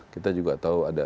kita juga tahu ada